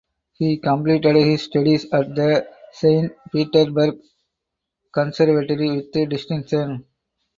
He completed his studies at the Saint Petersburg Conservatory with distinction.